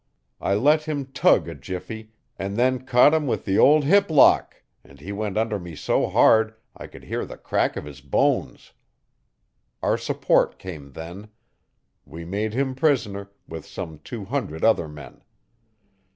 I let him tug a jiffy, and then caught him with the old hiplock, and he went under me so hard I could hear the crack of his bones. Our support came then. We made him prisoner, with some two hundred other men.